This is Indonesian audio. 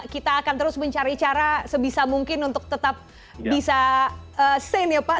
kita akan terus mencari cara sebisa mungkin untuk tetap bisa stand ya pak